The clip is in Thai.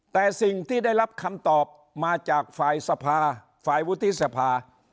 แต่สิ่งที่ได้รับคำตอบมาจากฝ่ายสภาฝ่ายวุฒิสภา